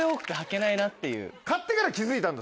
買ってから気付いたんだ